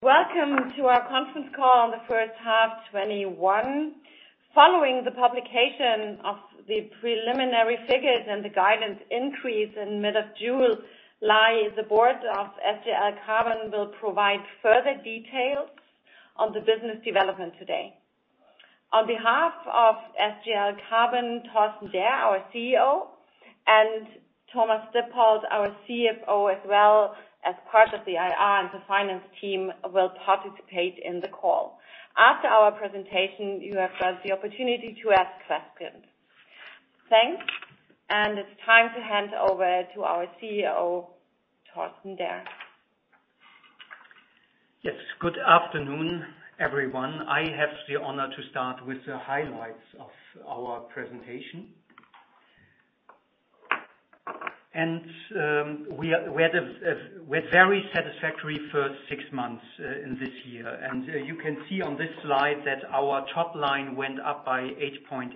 Welcome to our conference call on the first half 2021. Following the publication of the preliminary figures and the guidance increase in mid of June, the board of SGL Carbon will provide further details on the business development today. On behalf of SGL Carbon, Torsten Derr, our CEO, and Thomas Dippold, our CFO, as well as part of the IR and the finance team, will participate in the call. After our presentation, you have the opportunity to ask questions. Thanks. It's time to hand over to our CEO, Torsten Derr. Yes, good afternoon, everyone. I have the honor to start with the highlights of our presentation. We had a very satisfactory first six months in this year. You can see on this slide that our top line went up by 8.8%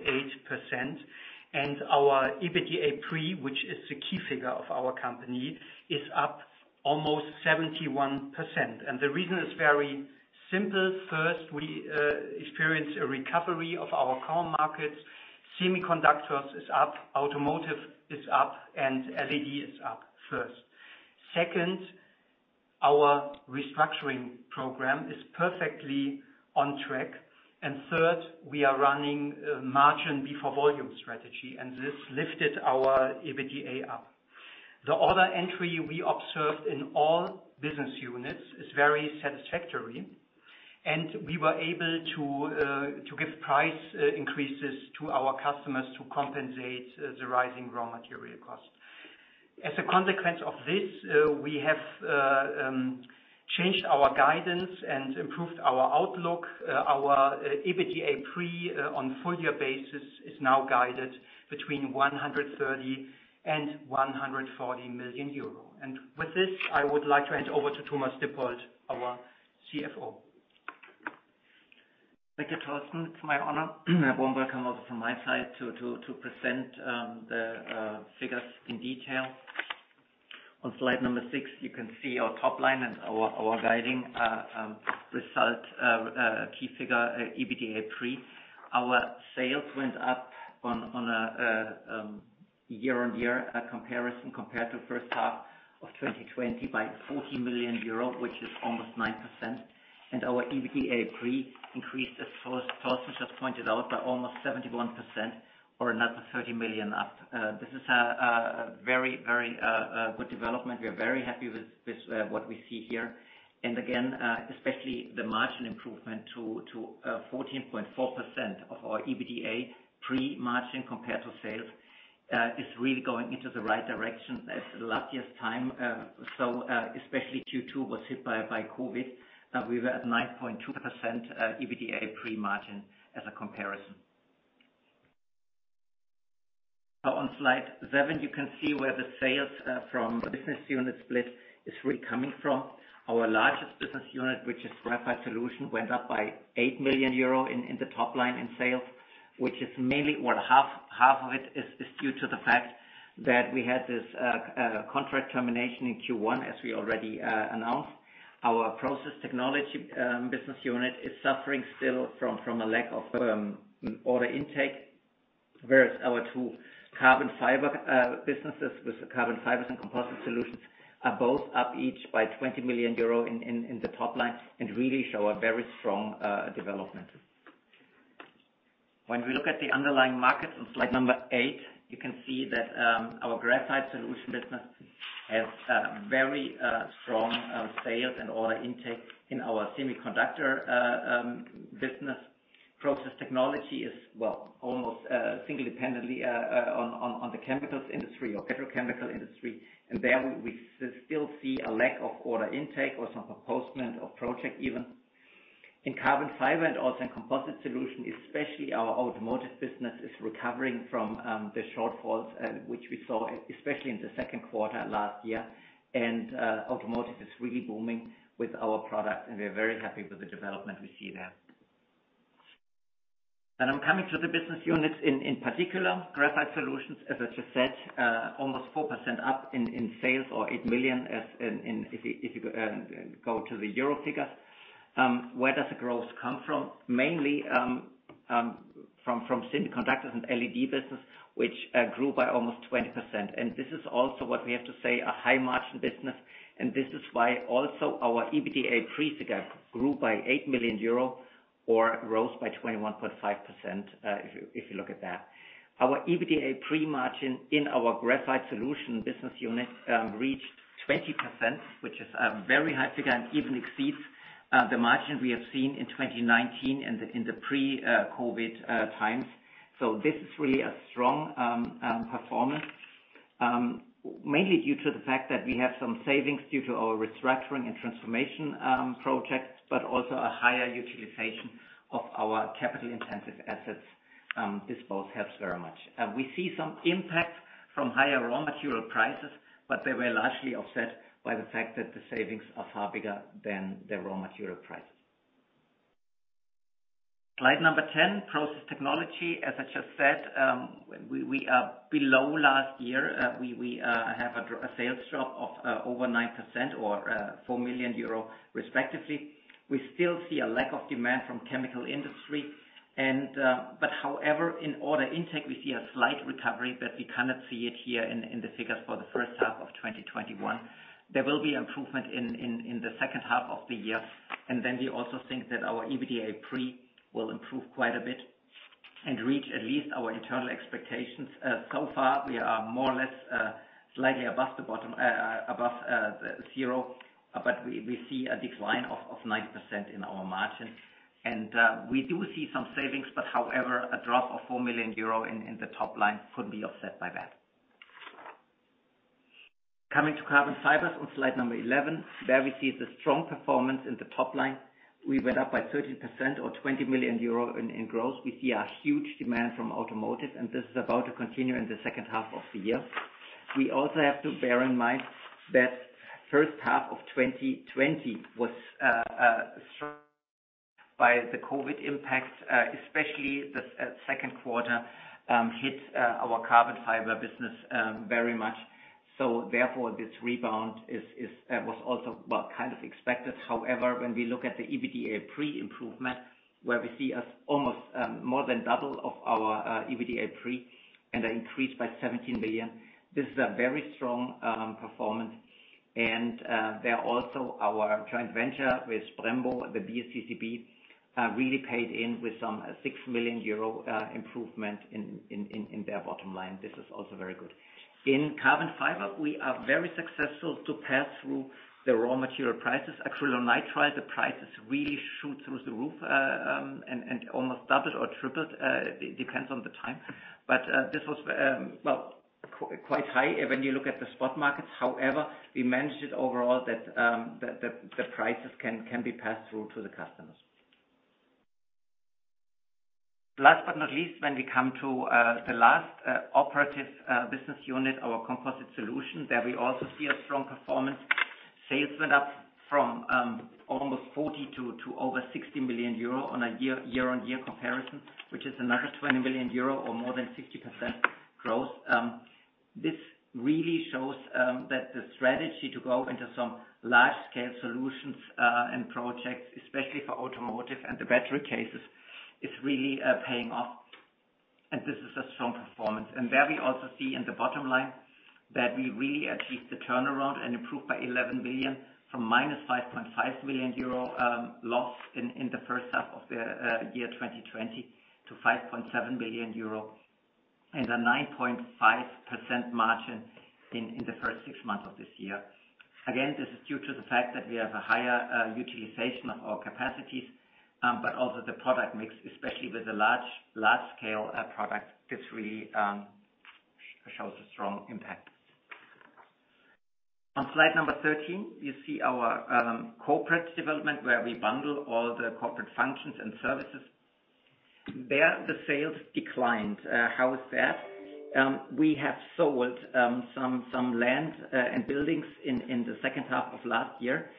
and our EBITDA-pre, which is the key figure of our company, is up almost 71%. The reason is very simple. First, we experienced a recovery of our core markets. Semiconductors is up, automotive is up, and LED is up first. Second, our restructuring program is perfectly on track. Third, we are running a margin before volume strategy, and this lifted our EBITDA up. The order entry we observed in all business units is very satisfactory, and we were able to give price increases to our customers to compensate the rising raw material cost. As a consequence of this, we have changed our guidance and improved our outlook. Our EBITDA-pre on full year basis is now guided between 130 million and 140 million euro. With this, I would like to hand over to Thomas Dippold, our CFO. Thank you, Torsten. It's my honor. A warm welcome also from my side to present the figures in detail. On slide number six, you can see our top line and our guiding result, key figure, EBITDA-pre. Our sales went up on a year-on-year comparison compared to first half of 2020 by 40 million euro, which is almost 9%. Our EBITDA-pre increased, as Torsten just pointed out, by almost 71% or another 30 million up. This is a very good development. We are very happy with what we see here. Again, especially the margin improvement to 14.4% of our EBITDA-pre-margin compared to sales, is really going into the right direction as last year's time. Especially Q2 was hit by COVID. We were at 9.2% EBITDA-pre margin as a comparison. On slide seven, you can see where the sales from business unit split is really coming from. Our largest business unit, which is Graphite Solutions, went up by 8 million euro in the top line in sales, which is half of it is due to the fact that we had this contract termination in Q1, as we already announced. Our Process Technology business unit is suffering still from a lack of order intake, whereas our two carbon fiber businesses with the Carbon Fibers and Composite Solutions are both up each by 20 million euro in the top line and really show a very strong development. When we look at the underlying markets on slide number eight, you can see that our Graphite Solutions business has very strong sales and order intake in our semiconductor business. Process Technology is almost single-dependently on the chemicals industry or petrochemical industry. There we still see a lack of order intake or some postponement of project even. In Carbon Fibers and also in Composite Solutions, especially our automotive business is recovering from the shortfalls, which we saw, especially in the second quarter last year. Automotive is really booming with our product. We are very happy with the development we see there. I'm coming to the business units, in particular, Graphite Solutions, as I just said almost 4% up in sales or 8 million if you go to the euro figures. Where does the growth come from? Mainly from semiconductors and LED business, which grew by almost 20%. This is also what we have to say, a high margin business, and this is why also our EBITDA-pre figure grew by 8 million euro or rose by 21.5%, if you look at that. Our EBITDA-pre margin in our Graphite Solutions business unit reached 20%, which is a very high figure and even exceeds the margin we have seen in 2019 in the pre-COVID times. This is really a strong performance, mainly due to the fact that we have some savings due to our restructuring and transformation projects, but also a higher utilization of our capital intensive assets. This both helps very much. We see some impact from higher raw material prices, but they were largely offset by the fact that the savings are far bigger than the raw material prices. Slide number 10, Process Technology. As I just said, we are below last year. We have a sales drop of over 9% or 4 million euro respectively. We still see a lack of demand from chemical industry. However, in order intake, we see a slight recovery, but we cannot see it here in the figures for the first half of 2021. There will be improvement in the second half of the year, we also think that our EBITDA-pre will improve quite a bit and reach at least our internal expectations. So far, we are more or less slightly above the zero, but we see a decline of 9% in our margin. We do see some savings, however, a drop of 4 million euro in the top line could be offset by that. Coming to Carbon Fibers on slide number 11, where we see the strong performance in the top line. We went up by 13% or 20 million euro in growth. We see a huge demand from automotive, and this is about to continue in the second half of the year. We also have to bear in mind that first half of 2020 was struck by the COVID impacts, especially the second quarter hit our carbon fiber business very much. Therefore, this rebound was also kind of expected. However, when we look at the EBITDA-pre improvement, where we see almost more than double of our EBITDA-pre and an increase by 17 million, this is a very strong performance. There also our joint venture with Brembo, the BSCCB, really paid in with some 6 million euro improvement in their bottom line. This is also very good. In carbon fiber, we are very successful to pass through the raw material prices. acrylonitrile, the prices really shoot through the roof and almost doubled or tripled, depends on the time. This was quite high when you look at the spot markets. However, we managed it overall that the prices can be passed through to the customers. Last but not least, when we come to the last operative business unit, our Composite Solutions, there we also see a strong performance. Sales went up from almost 40 million to over 60 million euro on a year-on-year comparison, which is another 20 million euro or more than 50% growth. This really shows that the strategy to go into some large-scale solutions and projects, especially for automotive and the battery cases, is really paying off. This is a strong performance. There we also see in the bottom line that we really achieved the turnaround and improved by 11 million from -5.5 million euro loss in the first half of the year 2020 to 5.7 million euro and a 9.5% margin in the first six months of this year. Again, this is due to the fact that we have a higher utilization of our capacities, but also the product mix, especially with the large scale product, this really shows a strong impact. On slide number 13, you see our corporate development, where we bundle all the corporate functions and services. There, the sales declined. How is that? We have sold some land and buildings in the second half of last year,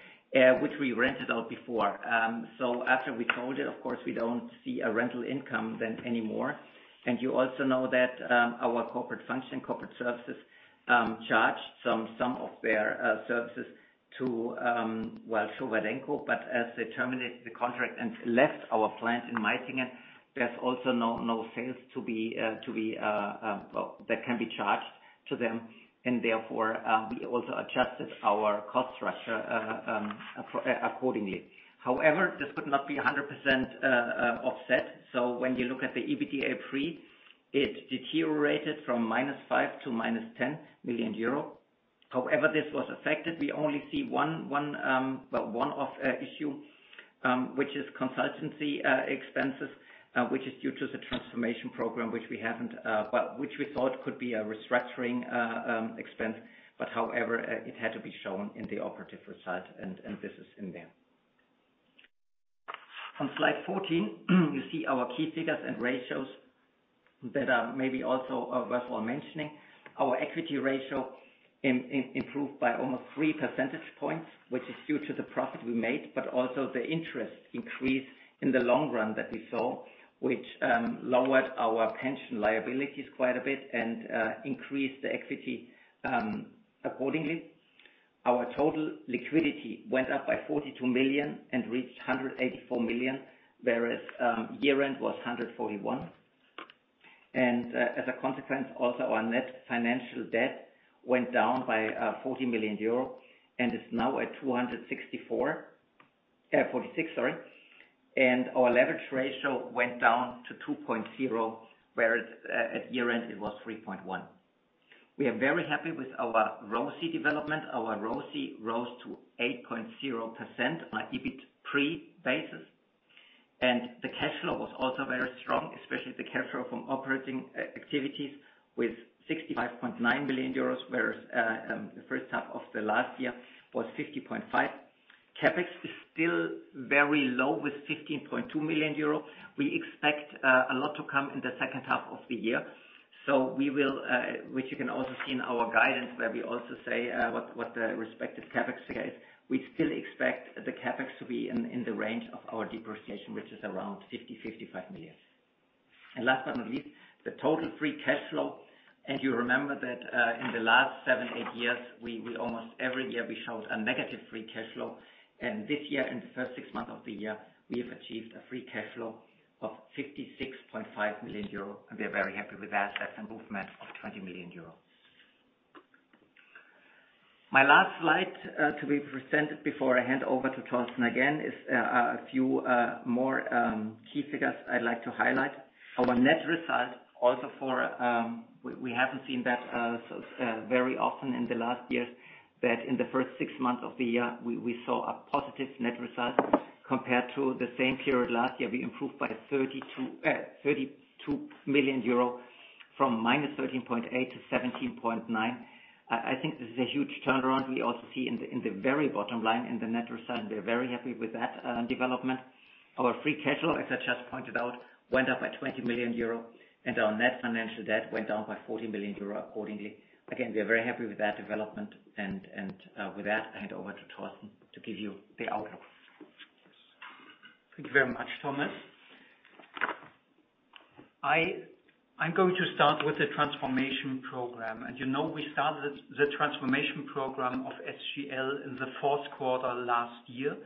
which we rented out before. After we sold it, of course, we don't see a rental income then anymore. You also know that our corporate function, corporate services, charged some of their services to, well, Showa Denko, but as they terminated the contract and left our plant in Meitingen, there is also no sales that can be charged to them. Therefore, we also adjusted our cost structure accordingly. However, this could not be 100% offset. When you look at the EBITDA-pre, it deteriorated from -5 million to -10 million euro. However, this was affected. We only see one-off issue, which is consultancy expenses, which is due to the transformation program, which we thought could be a restructuring expense. However, it had to be shown in the operative result, this is in there. On slide 14, you see our key figures and ratios that are maybe also worth mentioning. Our equity ratio improved by almost three percentage points, which is due to the profit we made, but also the interest increase in the long run that we saw, which lowered our pension liabilities quite a bit and increased the equity accordingly. Our total liquidity went up by 42 million and reached 184 million, whereas year-end was 141 million. As a consequence, also our net financial debt went down by 40 million euro and is now at 246 million, sorry. Our leverage ratio went down to 2.0%, whereas at year-end it was 3.1%. We are very happy with our ROCE development. Our ROCE rose to 8.0% on an EBIT-pre basis. The cash flow was also very strong, especially the cash flow from operating activities with 65.9 million euros, whereas the first half of the last year was 50.5 million. CapEx is still very low with 15.2 million euros. We expect a lot to come in the second half of the year. We will, which you can also see in our guidance, where we also say what the respective CapEx figure is. We still expect the CapEx to be in the range of our depreciation, which is around 50 million-55 million. Last but not least, the total free cash flow. You remember that in the last seven, eight years, we almost every year showed a negative free cash flow. This year, in the first six months of the year, we have achieved a free cash flow of 56.5 million euro. We are very happy with that. That's an movement of 20 million euro. My last slide to be presented before I hand over to Torsten again, is a few more key figures I'd like to highlight. We haven't seen that very often in the last years, that in the first six months of the year, we saw a positive net result compared to the same period last year. We improved by 32 million euro from -13.8 to 17.9 million. I think this is a huge turnaround. We also see in the very bottom line in the net result, and we're very happy with that development. Our free cash flow, as I just pointed out, went up by 20 million euro, and our net financial debt went down by 40 million euro accordingly. Again, we are very happy with that development. With that, I hand over to Torsten to give you the outlook. Thank you very much, Thomas. I'm going to start with the Transformation Program. You know we started the Transformation Program of SGL in the fourth quarter last year.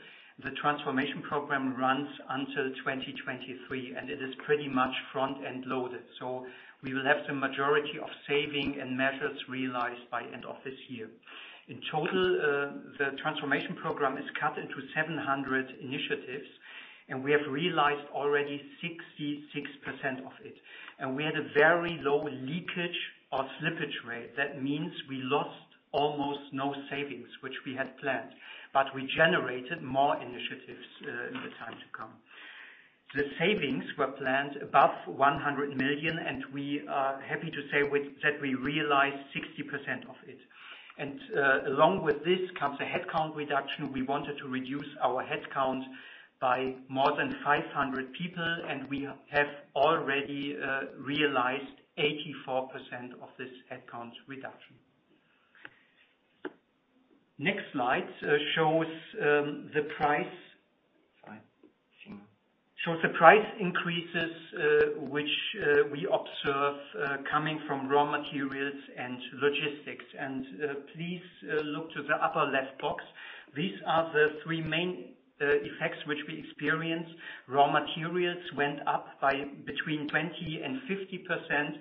The Transformation Program runs until 2023, it is pretty much front-end loaded, we will have the majority of savings and measures realized by end of this year. In total, the Transformation Program is cut into 700 initiatives, we have realized already 66% of it, we had a very low leakage or slippage rate. That means we lost almost no savings, which we had planned, we generated more initiatives in the time to come. The savings were planned above 100 million, we are happy to say that we realized 60% of it. Along with this comes a headcount reduction. We wanted to reduce our headcount by more than 500 people, and we have already realized 84% of this headcount reduction. Next slide shows the price increases which we observe coming from raw materials and logistics. Please look to the upper left box. These are the three main effects which we experience. Raw materials went up by between 20% and 50%.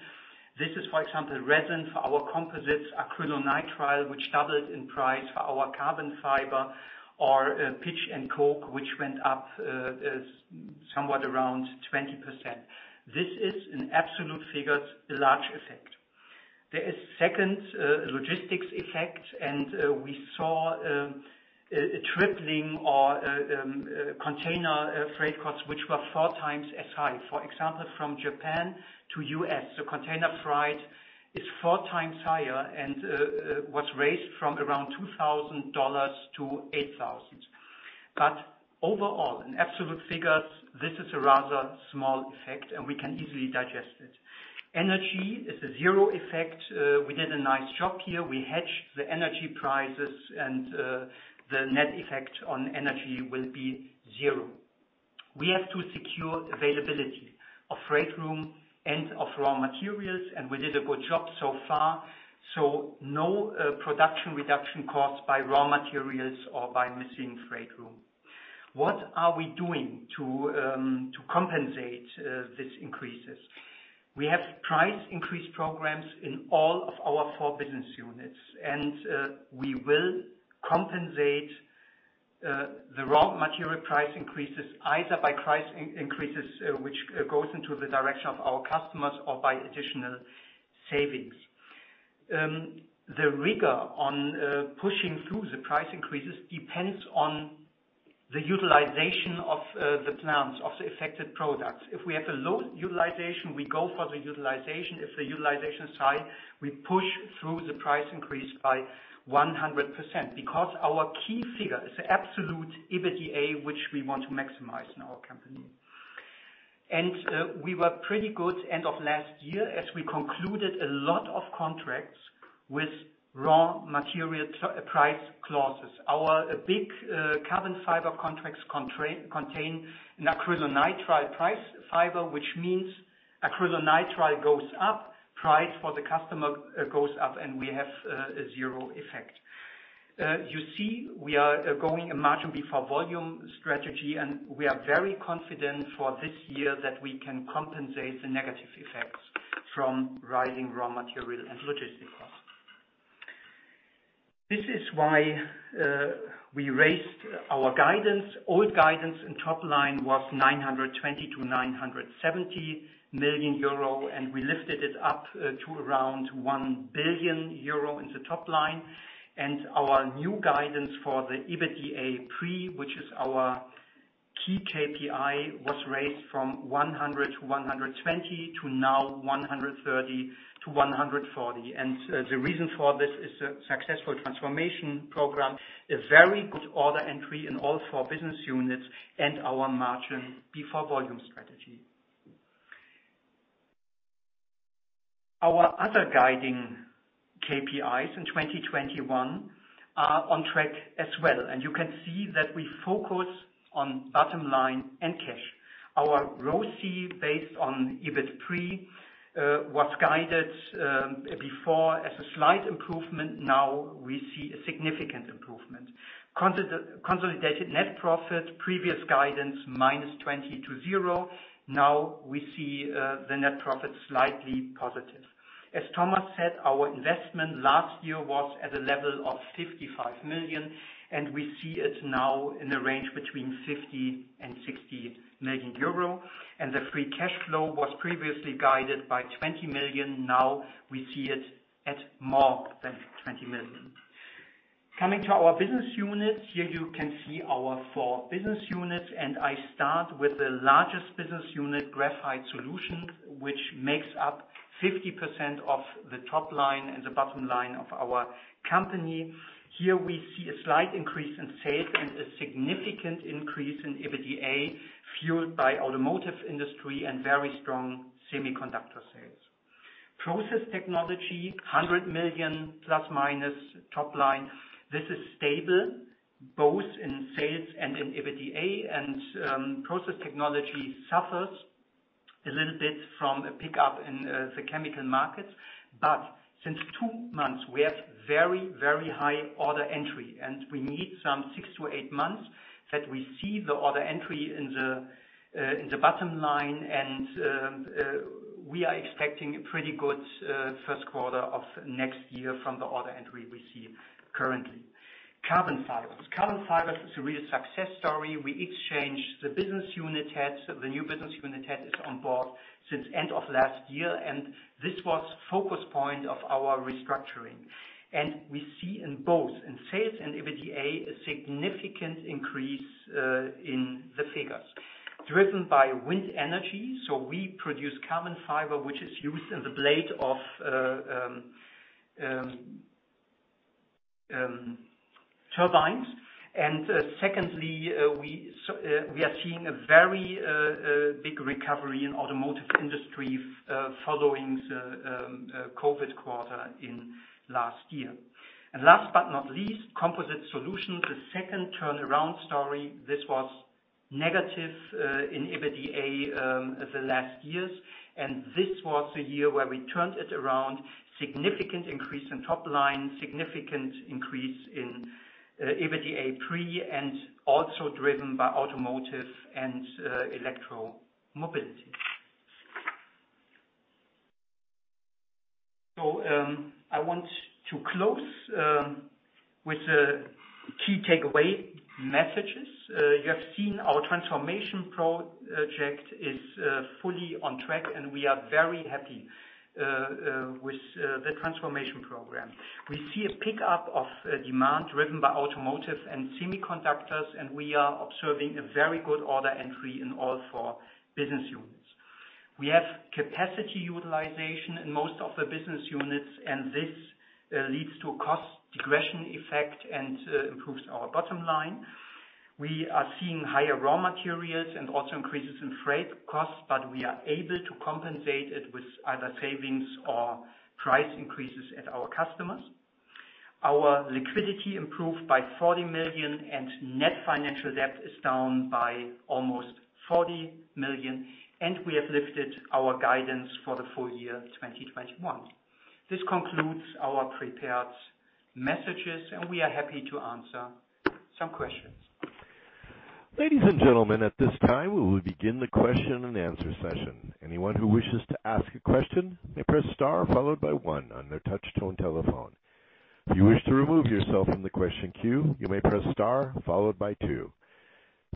This is, for example, resin for our composites acrylonitrile, which doubled in price for our carbon fiber or pitch and coke, which went up somewhat around 20%. This is in absolute figures, a large effect. There is second logistics effect, and we saw a tripling or container freight costs, which were four times as high. For example, from Japan to U.S., the container freight is four times higher and was raised from around $2,000-$8,000. Overall, in absolute figures, this is a rather small effect, and we can easily digest it. Energy is a zero effect. We did a nice job here. We hedged the energy prices. The net effect on energy will be zero. We have to secure availability of freight room and of raw materials. We did a good job so far. No production reduction caused by raw materials or by missing freight room. What are we doing to compensate these increases? We have price increase programs in all of our four business units. We will compensate the raw material price increases either by price increases, which goes into the direction of our customers or by additional savings. The rigor on pushing through the price increases depends on the utilization of the plants of the affected products. If we have a low utilization, we go for the utilization. If the utilization is high, we push through the price increase by 100% because our key figure is the absolute EBITDA, which we want to maximize in our company. We were pretty good end of last year as we concluded a lot of contracts with raw material price clauses. Our big carbon fiber contracts contain acrylonitrile price clauses, which means acrylonitrile goes up, price for the customer goes up, and we have a zero effect. You see, we are going a margin before volume strategy, and we are very confident for this year that we can compensate the negative effects from rising raw material and logistic costs. This is why we raised our guidance. Old guidance and top line was 920 million-970 million euro, and we lifted it up to around 1 billion euro in the top line. Our new guidance for the EBITDA-pre, which is our key KPI, was raised from 100 million-120 million to now 130 million-140 million. The reason for this is the successful transformation program, a very good order entry in all four business units, and our margin before volume strategy. Our other guiding KPIs in 2021 are on track as well. You can see that we focus on bottom line and cash. Our ROCE based on EBIT-pre was guided before as a slight improvement, now we see a significant improvement. Consolidated net profit, previous guidance -20 million to 0. Now we see the net profit slightly positive. As Thomas said, our investment last year was at a level of 55 million, and we see it now in the range between 50 million and 60 million euro. The free cash flow was previously guided by 20 million. Now we see it at more than 20 million. Coming to our business units. Here you can see our four business units. I start with the largest business unit, Graphite Solutions, which makes up 50% of the top line and the bottom line of our company. Here we see a slight increase in sales and a significant increase in EBITDA, fueled by automotive industry and very strong semiconductor sales. Process Technology, 100 million ± top line. This is stable both in sales and in EBITDA. Process Technology suffers a little bit from a pickup in the chemical markets. Since two months we have very high order entry and we need some six to eight months that we see the order entry in the bottom line. We are expecting a pretty good first quarter of next year from the order entry we see currently. Carbon Fibers. Carbon Fibers is a real success story. We exchanged the business unit heads. The new business unit head is on board since end of last year. This was focus point of our restructuring. We see in both, in sales and EBITDA, a significant increase in the figures driven by wind energy. We produce carbon fiber, which is used in the blade of turbines. Secondly, we are seeing a very big recovery in automotive industry following the COVID quarter in last year. Last but not least, Composite Solutions, the second turnaround story. This was negative in EBITDA the last years. This was the year where we turned it around. Significant increase in top line, significant increase in EBITDA-pre, and also driven by automotive and electromobility. I want to close with the key takeaway messages. You have seen our transformation project is fully on track. We are very happy with the transformation program. We see a pickup of demand driven by automotive and semiconductors. We are observing a very good order entry in all four business units. We have capacity utilization in most of the business units. This leads to a cost regression effect and improves our bottom line. We are seeing higher raw materials and also increases in freight costs. We are able to compensate it with either savings or price increases at our customers. Our liquidity improved by 40 million. Net financial debt is down by almost 40 million. We have lifted our guidance for the full year 2021. This concludes our prepared messages. We are happy to answer some questions. Ladies and gentlemen, at this time we will begin the question and answer session. Anyone who wishes to ask a question may press star followed by one on their touch-tone telephone. If you wish to remove yourself from the question queue, you may press star followed by two.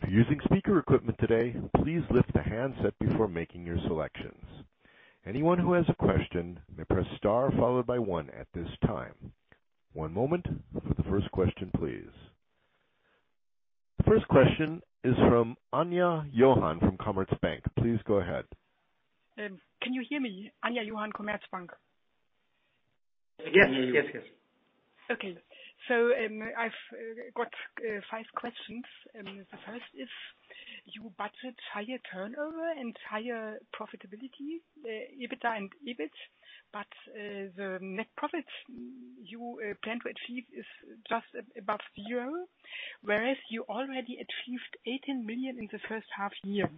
If you are using speaker equipment today, please lift the handset before making your selections. Anyone who has a question may press star followed by one at this time. One moment for the first question, please. The first question is from Anja Johann from Commerzbank. Please go ahead. Can you hear me? Anja Johann, Commerzbank. Yes. We can hear you. Okay. I've got five questions. The 1st is, you budget higher turnover and higher profitability, EBITDA and EBIT, but the net profit you plan to achieve is just above zero, whereas you already achieved 18 million in the first half year.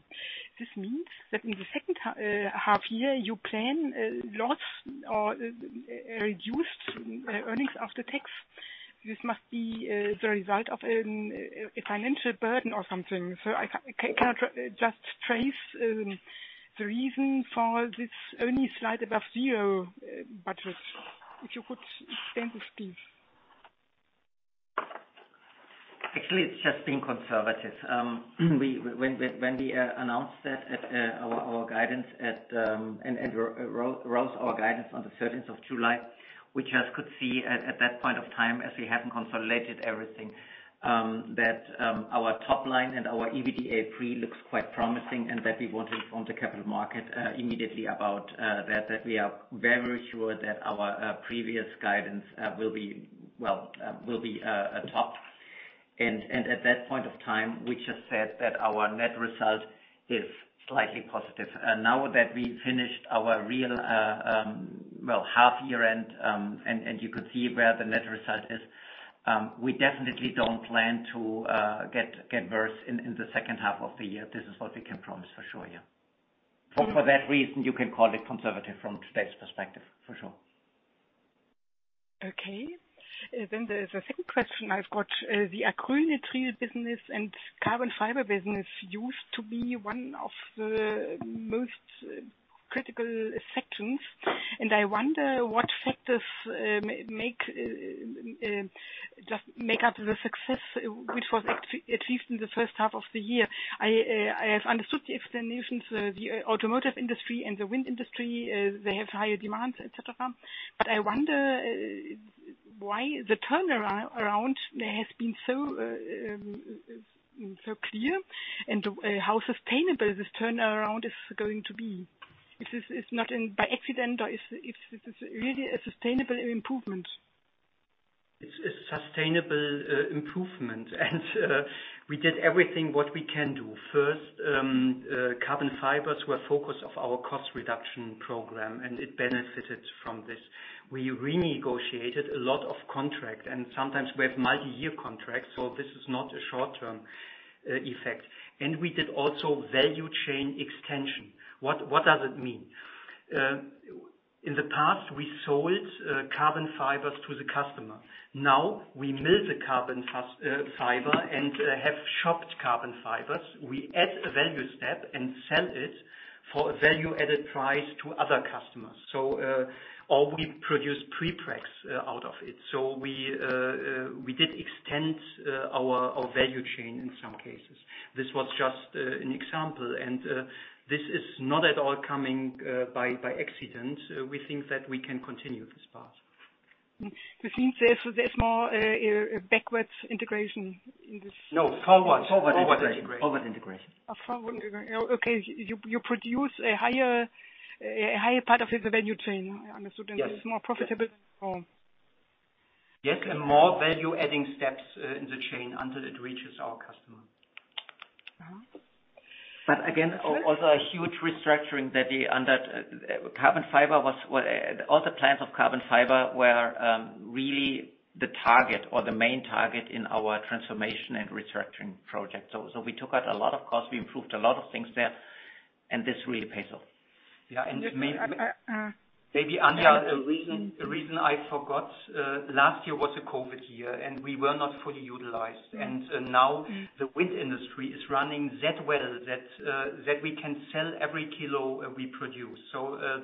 This means that in the second half year you plan loss or reduced earnings after tax. This must be the result of a financial burden or something. Can you just trace the reason for this only slightly above zero budget? If you could explain this, please. Actually, it's just being conservative. When we announced that at our guidance and rose our guidance on the 13th of July, we just could see at that point of time, as we haven't consolidated everything, that our top line and our EBITDA-pre looks quite promising and that we want to inform the capital market immediately about that. That we are very sure that our previous guidance will be topped. At that point of time, we just said that our net result is slightly positive. Now that we finished our real half year end, and you could see where the net result is, we definitely don't plan to get worse in the second half of the year. This is what we can promise for sure. Okay. For that reason, you can call it conservative from today's perspective, for sure. Okay. There is a second question I've got. The acrylonitrile material business and Carbon Fibers business used to be one of the most critical sections, and I wonder what factors make up the success which was achieved in the first half of the year. I have understood the explanations, the automotive industry and the wind industry, they have higher demands, et cetera. I wonder why the turnaround has been so clear and how sustainable this turnaround is going to be. It is not by accident or it is really a sustainable improvement? It's a sustainable improvement. We did everything what we can do. First, carbon fibers were focus of our cost reduction program, and it benefited from this. We renegotiated a lot of contract, sometimes we have multi-year contracts, so this is not a short-term effect. We did also value chain extension. What does it mean? In the past, we sold carbon fibers to the customer. Now we mill the carbon fiber and have chopped carbon fibers. We add a value step and sell it for a value-added price to other customers. We produce prepregs out of it. We did extend our value chain in some cases. This was just an example, this is not at all coming by accident. We think that we can continue this path. It seems there's more backwards integration in this. No, forwards. Forwards integration. Forward integration. A forward integration. Okay. You produce a higher part of the value chain. I understood. Yes. This is more profitable for all. Yes. More value-adding steps in the chain until it reaches our customer. Again, also a huge restructuring that all the plants of carbon fiber were really the target or the main target in our transformation and restructuring project. We took out a lot of costs. We improved a lot of things there, and this really pays off. Yeah. Maybe, Anja Johann, a reason I forgot, last year was a COVID year, and we were not fully utilized. Now the wind industry is running that well, that we can sell every kilo we produce.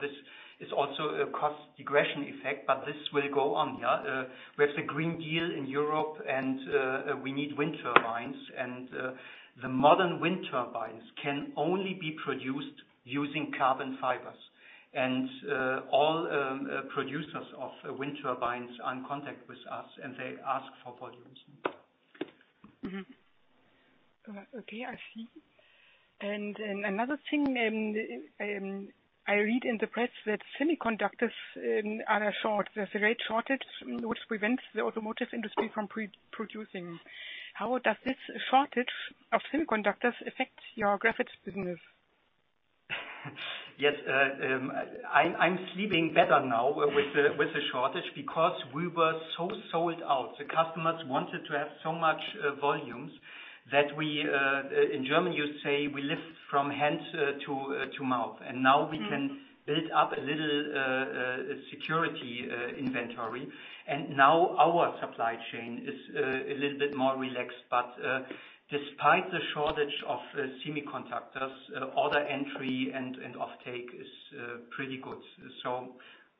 This is also a cost regression effect, but this will go on, yeah. We have the Green Deal in Europe, and we need wind turbines. The modern wind turbines can only be produced using carbon fibers. All producers of wind turbines are in contact with us, and they ask for volumes. Okay, I see. Another thing, I read in the press that semiconductors are short. There's a great shortage which prevents the automotive industry from producing. How does this shortage of semiconductors affect your Graphite Solutions business? Yes. I'm sleeping better now with the shortage, because we were so sold out. The customers wanted to have so much volumes that we, in German you say we live from hand to mouth, Now we can build up a little security inventory. Now our supply chain is a little bit more relaxed. Despite the shortage of semiconductors, order entry and offtake is pretty good.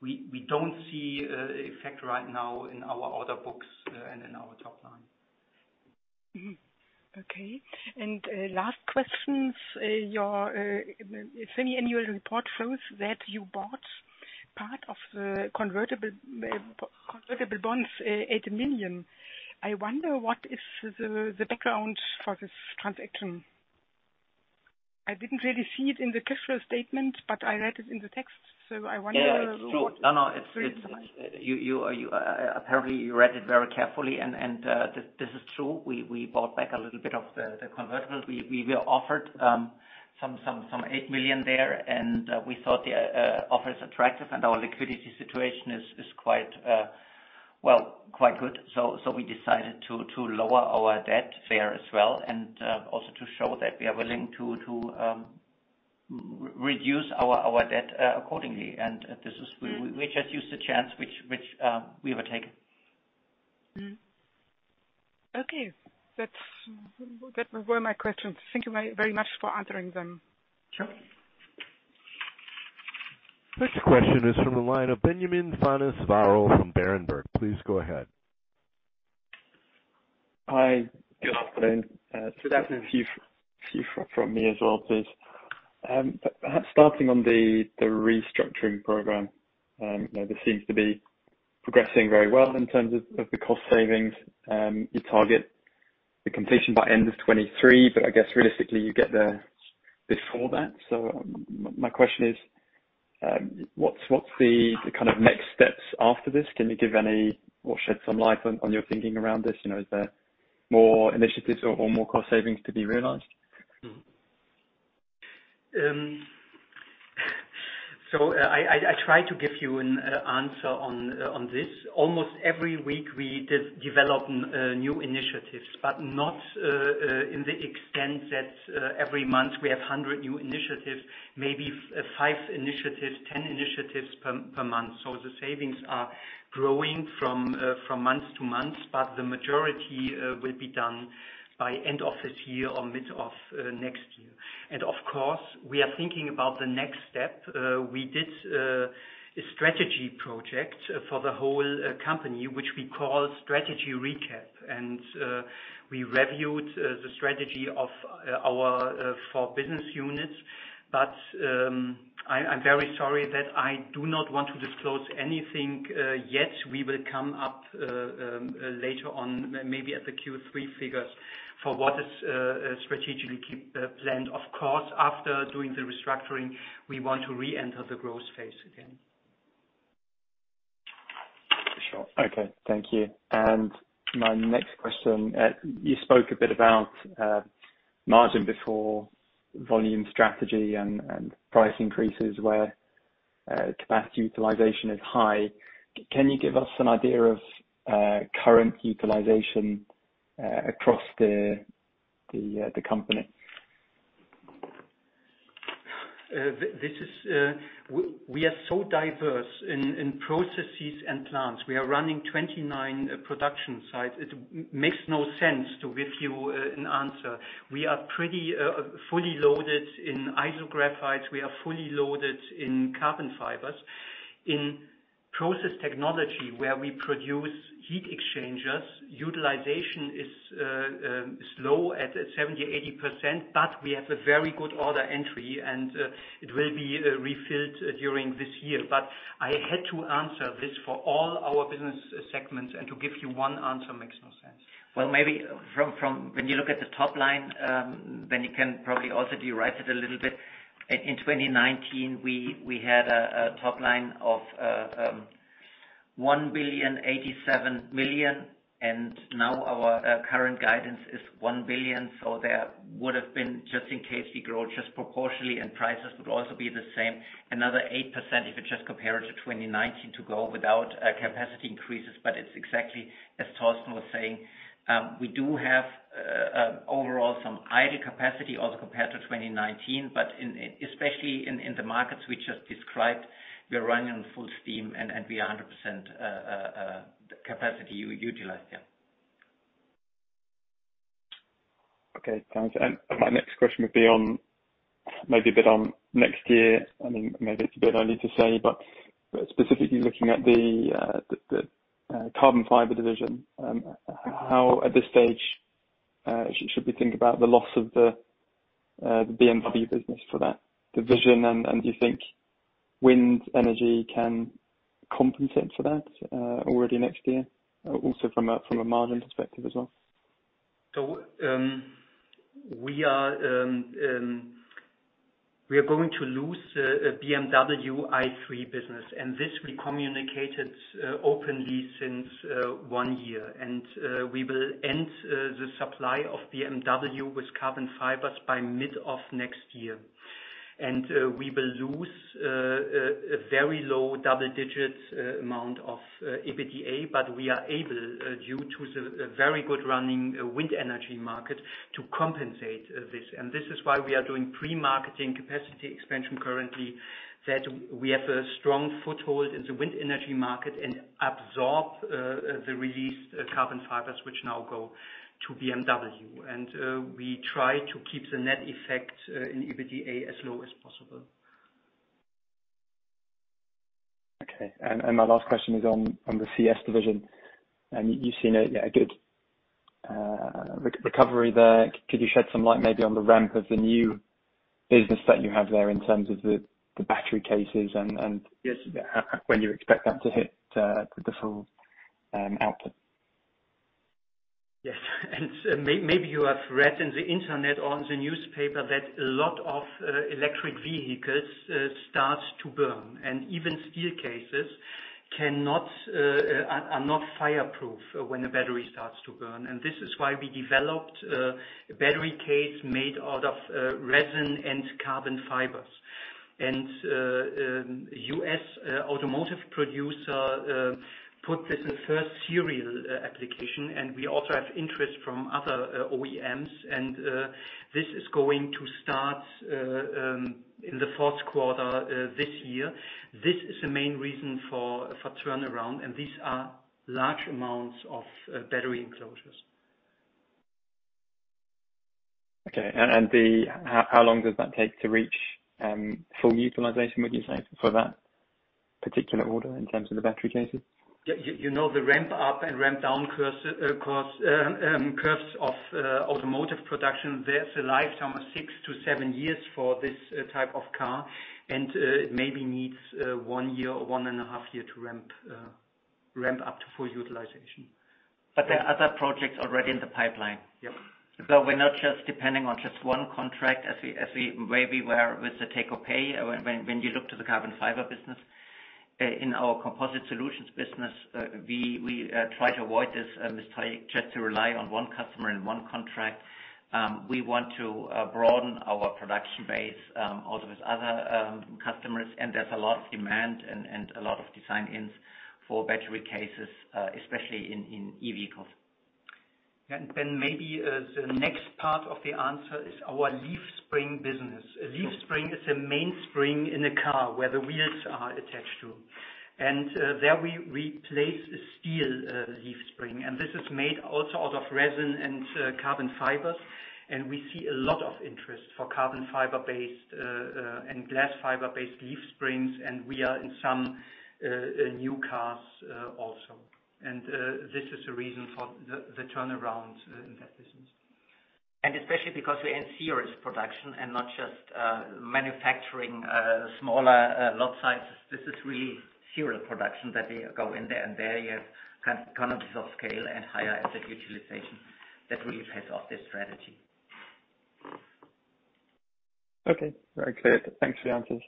We don't see a effect right now in our order books and in our top line. Okay. Last questions. Your semi-annual report shows that you bought part of the convertible bonds, 8 million. I wonder what is the background for this transaction? I didn't really see it in the cash flow statement, but I read it in the text. Yeah, yeah. It's true. No, no. Apparently, you read it very carefully. This is true. We bought back a little bit of the convertible. We were offered some 8 million there, and we thought the offer is attractive and our liquidity situation is quite good. We decided to lower our debt there as well, and also to show that we are willing to reduce our debt accordingly. We just used the chance which we were taken. Okay. That were my questions. Thank you very much for answering them. Sure. Next question is from the line of Benjamin Pfannes-Varrow from Berenberg. Please go ahead. Hi. Good afternoon. Good afternoon. A few from me as well, please. Perhaps starting on the restructuring program. This seems to be progressing very well in terms of the cost savings. You target the completion by end of 2023, but I guess realistically you get there before that. My question is. What's the next steps after this? Can you shed some light on your thinking around this? Is there more initiatives or more cost savings to be realized? I try to give you an answer on this. Almost every week we develop new initiatives, but not in the extent that every month we have 100 new initiatives, maybe five initiatives, 10 initiatives per month. The savings are growing from month to month, but the majority will be done by end of this year or mid of next year. Of course, we are thinking about the next step. We did a strategy project for the whole company, which we call Strategy Recap, and we reviewed the strategy of our four business units. I'm very sorry that I do not want to disclose anything yet. We will come up later on, maybe at the Q3 figures, for what is strategically planned. Of course, after doing the restructuring, we want to re-enter the growth phase again. Sure. Okay. Thank you. My next question. You spoke a bit about margin before volume strategy and price increases where capacity utilization is high. Can you give us an idea of current utilization across the company? We are so diverse in processes and plants. We are running 29 production sites. It makes no sense to give you an answer. We are pretty fully loaded in isostatic graphites. We are fully loaded in carbon fibers. In Process Technology, where we produce heat exchangers, utilization is low at 70%-80%. We have a very good order entry and it will be refilled during this year. I had to answer this for all our business segments, and to give you one answer makes no sense. Well, maybe when you look at the top line, you can probably also derive it a little bit. In 2019, we had a top line of 1,087 million. Now our current guidance is 1 billion. There would have been, just in case we grow proportionally and prices would also be the same, another 8% if you compare it to 2019 to grow without capacity increases. It's exactly as Torsten was saying. We do have overall some idle capacity also compared to 2019, especially in the markets we just described, we are running on full steam and we are 100% capacity utilized. Okay, thanks. My next question would be maybe a bit on next year. Maybe it is a bit early to say, but specifically looking at the Carbon Fibers division, how at this stage should we think about the loss of the BMW business for that division? Do you think wind energy can compensate for that already next year, also from a margin perspective as well? We are going to lose a BMW i3 business, and this we communicated openly since one year. We will end the supply of BMW with carbon fibers by mid of next year. We will lose a very low double-digit amount of EBITDA, but we are able, due to the very good running wind energy market, to compensate this. This is why we are doing pre-marketing capacity expansion currently, that we have a strong foothold in the wind energy market and absorb the released carbon fibers, which now go to BMW. We try to keep the net effect in EBITDA as low as possible. Okay. My last question is on the CS division. You've seen a good recovery there. Could you shed some light maybe on the ramp of the new business that you have there in terms of the battery cases. Yes when you expect that to hit the full output? Yes. Maybe you have read in the Internet or in the newspaper that a lot of electric vehicles starts to burn. Even steel cases are not fireproof when a battery starts to burn. This is why we developed a battery case made out of resin and carbon fibers. U.S. automotive producer put this in first serial application, and we also have interest from other OEMs, and this is going to start in the fourth quarter this year. This is the main reason for turnaround. These are large amounts of battery enclosures. Okay. How long does that take to reach full utilization, would you say, for that particular order in terms of the battery cases? You know the ramp up and ramp down curves of automotive production. There's a lifetime of six to seven years for this type of car, and it maybe needs one year or one and a half year to ramp up to full utilization. There are other projects already in the pipeline. Yep. We're not just depending on just one contract as we maybe were with the take-or-pay when you look to the Carbon Fibers business. In our Composite Solutions business, we try to avoid this mistake just to rely on one customer and one contract. We want to broaden our production base, also with other customers. There's a lot of demand and a lot of design ins for battery cases, especially in EV cars. Then maybe the next part of the answer is our leaf spring business. A leaf spring is a main spring in a car where the wheels are attached to. There we replace a steel leaf spring. This is made also out of resin and carbon fibers. We see a lot of interest for carbon fiber-based, and glass fiber-based leaf springs, and we are in some new cars also. This is the reason for the turnaround in that business. Especially because we are in series production and not just manufacturing smaller lot sizes. This is really serial production that we go in there, and there you have economies of scale and higher asset utilization that really pays off this strategy. Okay, very clear. Thanks for the answers.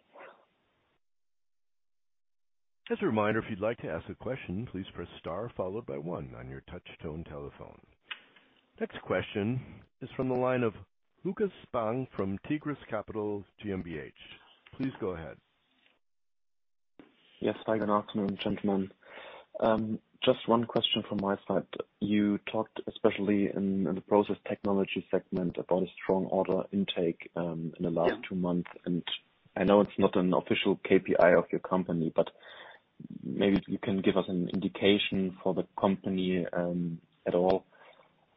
Just a reminder. If you'd like to ask a question, please press star followed by one on your touch-tone telephone. Next question is from the line of Lukas Spang from Tigris Capital GmbH. Please go ahead. Yes. Good afternoon, gentlemen. Just one question from my side. You talked, especially in the Process Technology segment, about a strong order intake in the last two months. I know it's not an official KPI of your company, but maybe you can give us an indication for the company, at all,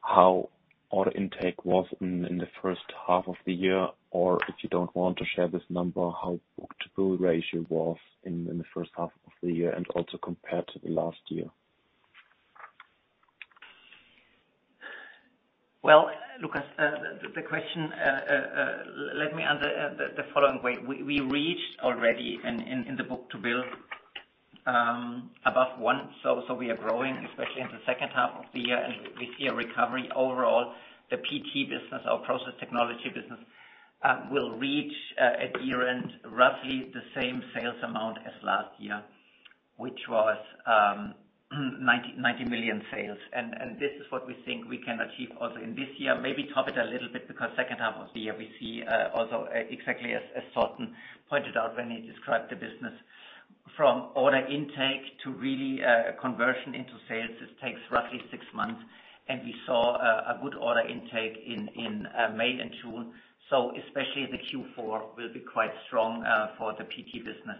how order intake was in the first half of the year. If you don't want to share this number, how book-to-bill ratio was in the first half of the year and also compared to the last year. Well, Lukas, the question, let me answer it the following way. We reached already in the book-to-bill above one, so we are growing, especially in the second half of the year, and we see a recovery overall. The PT business, our Process Technology business, will reach at year-end roughly the same sales amount as last year, which was 90 million sales. This is what we think we can achieve also in this year. Maybe top it a little bit because second half of the year, we see also exactly as Torsten pointed out when he described the business. From order intake to really conversion into sales, this takes roughly six months, and we saw a good order intake in May and June. Especially the Q4 will be quite strong for the PT business.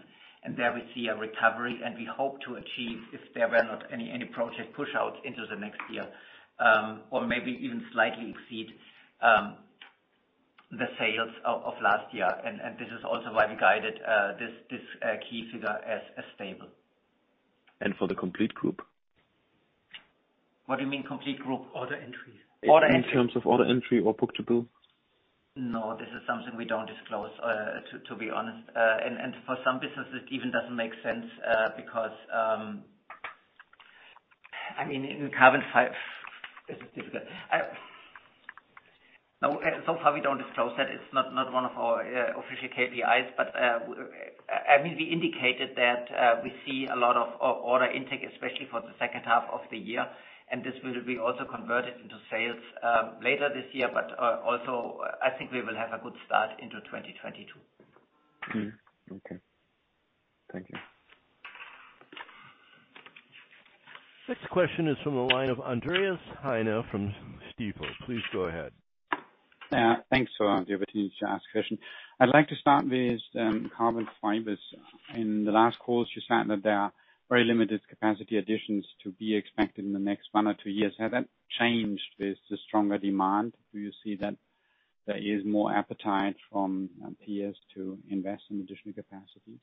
There we see a recovery, and we hope to achieve, if there were not any project pushouts into the next year, or maybe even slightly exceed the sales of last year. This is also why we guided this key figure as stable. For the complete group? What do you mean complete group? Order entries. Order entries. In terms of order entry or book-to-bill. No. This is something we don't disclose, to be honest. For some businesses, it even doesn't make sense, because I mean, in carbon fiber, this is difficult. So far we don't disclose that. It's not one of our official KPIs. We indicated that we see a lot of order intake, especially for the second half of the year, and this will be also converted into sales later this year. Also, I think we will have a good start into 2022. Okay. Thank you. Next question is from the line of Andreas Heine from Stifel. Please go ahead. Thanks for the opportunity to ask a question. I'd like to start with carbon fibers. In the last call, you said that there are very limited capacity additions to be expected in the next one or two years. Has that changed with the stronger demand? Do you see that there is more appetite from peers to invest in additional capacities?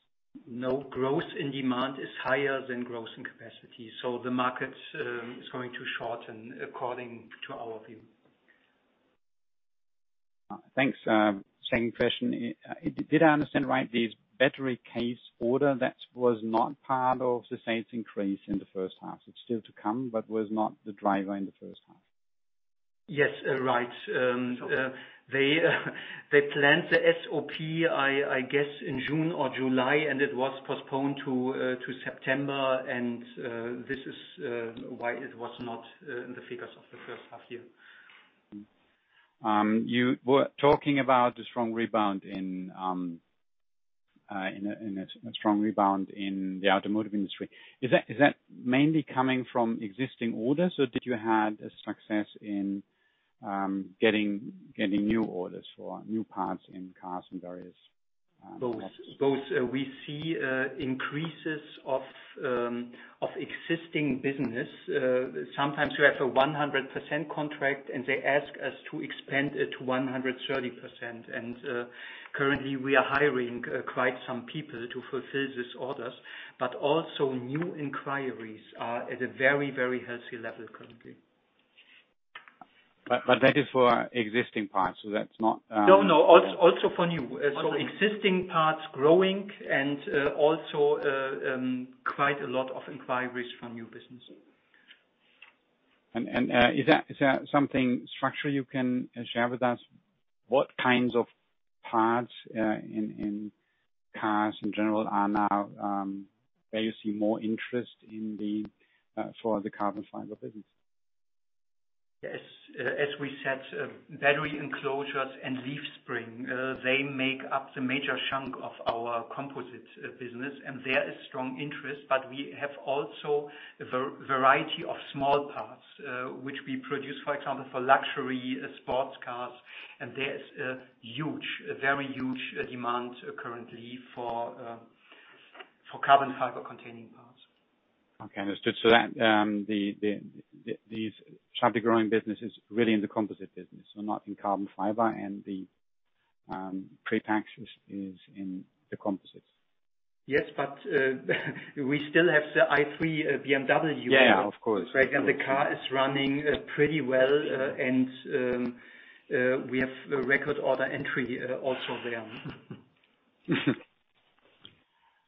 No. Growth in demand is higher than growth in capacity, so the market is going to shorten according to our view. Thanks. Second question. Did I understand right, the battery case order that was not part of the sales increase in the first half? It's still to come, but was not the driver in the first half. Yes. Right. They planned the SOP, I guess, in June or July, and it was postponed to September. This is why it was not in the figures of the first half year. You were talking about a strong rebound in the automotive industry. Is that mainly coming from existing orders, or did you have a success in getting new orders for new parts in cars? Both. We see increases of existing business. Sometimes you have a 100% contract, and they ask us to expand it to 130%. Currently we are hiring quite some people to fulfill these orders. Also new inquiries are at a very healthy level currently. That is for existing parts. No. Also for new. Okay. Existing parts growing and also quite a lot of inquiries from new business. Is that something structural you can share with us? What kinds of parts in cars in general are now where you see more interest for the carbon fiber business? Yes. As we said, battery enclosures and leaf spring, they make up the major chunk of our Composite Solutions business, and there is strong interest. We have also a variety of small parts, which we produce, for example, for luxury sports cars, and there is a very huge demand currently for carbon fiber-containing parts. Okay, understood. This sharply growing business is really in the Composite Solutions business. Not in Carbon Fibers, and the prepregs is in the Composite Solutions. Yes, we still have the BMW i3. Yeah. Of course. The car is running pretty well, and we have a record order entry also there.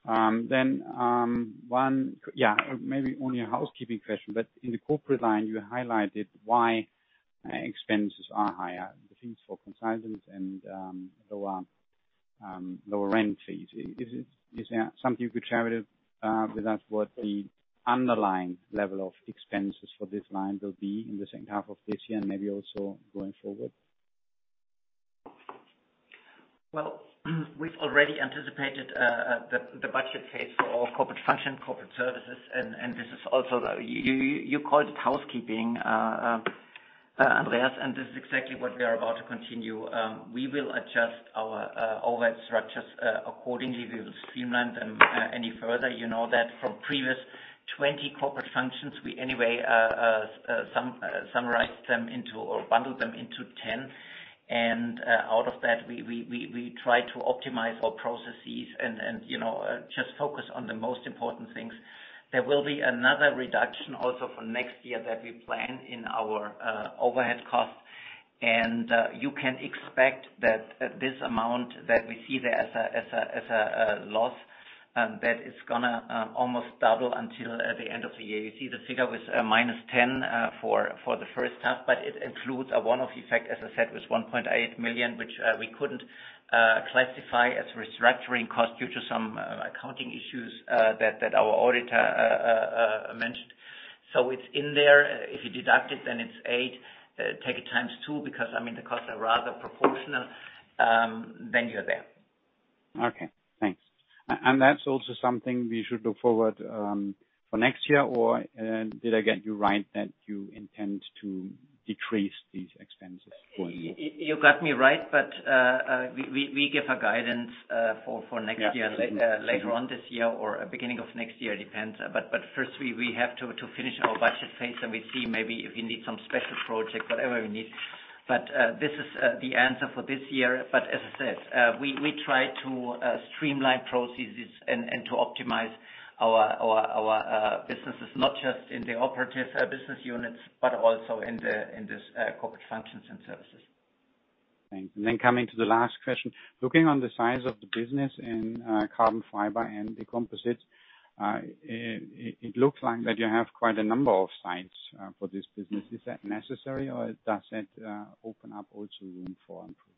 One, yeah, maybe only a housekeeping question, but in the corporate line, you highlighted why expenses are higher. The fees for consultants and lower rent fees. Is there something you could share with us what the underlying level of expenses for this line will be in the second half of this year and maybe also going forward? Well, we've already anticipated the budget phase for all corporate function, corporate services, and this is also, you called it housekeeping, Andreas, and this is exactly what we are about to continue. We will adjust our overhead structures accordingly. We will streamline them any further. You know that from previous 20 corporate functions, we anyway summarized them into, or bundled them into 10. Out of that, we try to optimize our processes and just focus on the most important things. There will be another reduction also for next year that we plan in our overhead cost. You can expect that this amount that we see there as a loss, that it's going to almost double until the end of the year. You see the figure was -10 million for the first half. It includes a one-off effect, as I said, with 1.8 million, which we couldn't classify as restructuring cost due to some accounting issues that our auditor mentioned. It's in there. If you deduct it's 8 million. Take it times two, because the costs are rather proportional. You're there. Okay, thanks. That's also something we should look forward for next year, or did I get you right that you intend to decrease these expenses for you? You got me right, but we give a guidance for next year. Yeah later on this year or beginning of next year, depends. First, we have to finish our budget phase, and we see maybe if we need some special project, whatever we need. This is the answer for this year. As I said, we try to streamline processes and to optimize our businesses, not just in the operative business units, but also in this corporate functions and services. Thanks. Then coming to the last question. Looking on the size of the business in carbon fiber and the composites, it looks like that you have quite a number of sites for this business. Is that necessary, or does that open up also room for improvement?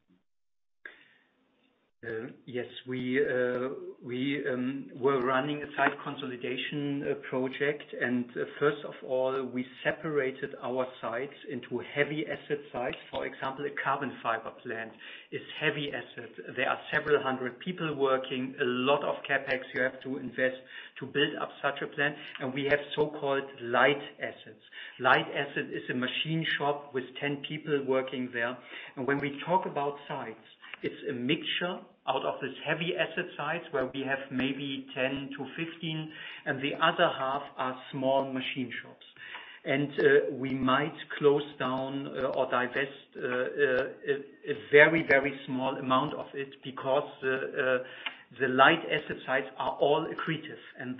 Yes. We were running a site consolidation project. First of all, we separated our sites into heavy asset sites. For example, a carbon fiber plant is heavy asset. There are several hundred people working, a lot of CapEx you have to invest to build up such a plant. We have so-called light assets. Light asset is a machine shop with 10 people working there. When we talk about sites, it's a mixture out of this heavy asset sites where we have maybe 10-15, and the other half are small machine shops. We might close down or divest a very small amount of it because the light asset sites are all accretive, and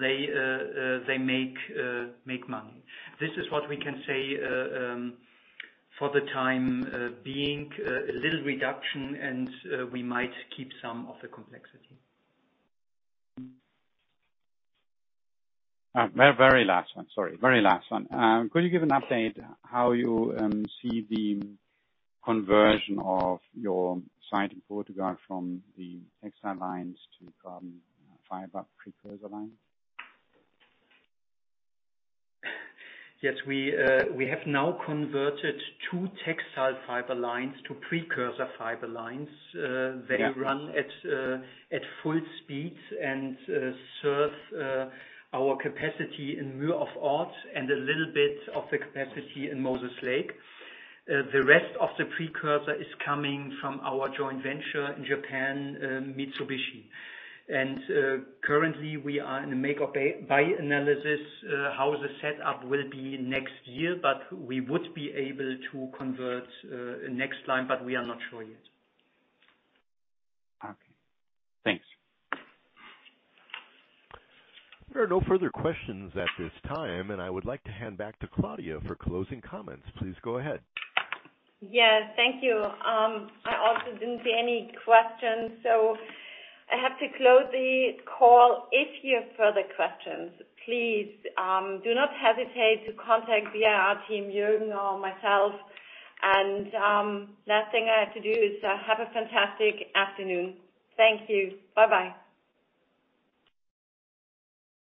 they make money. This is what we can say for the time being, a little reduction, and we might keep some of the complexity. Very last one. Sorry. Could you give an update how you see the conversion of your site in Portugal from the textile lines to carbon fiber precursor lines? Yes. We have now converted two textile fiber lines to precursor fiber lines. Yeah. They run at full speed and serve our capacity in Mürzzuschlag and a little bit of the capacity in Moses Lake. The rest of the precursor is coming from our joint venture in Japan, Mitsubishi. Currently, we are in a make-or-buy analysis, how the setup will be next year, but we would be able to convert a next line, but we are not sure yet. Okay. Thanks. There are no further questions at this time. I would like to hand back to Claudia for closing comments. Please go ahead. Yeah. Thank you. I also didn't see any questions. I have to close the call. If you have further questions, please do not hesitate to contact the IR team, Jürgen or myself. Last thing I have to do is have a fantastic afternoon. Thank you. Bye-bye.